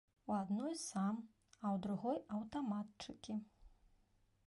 У адной сам, а ў другой аўтаматчыкі.